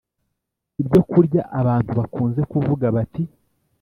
Ibyokurya abantu bakunze kuvuga bati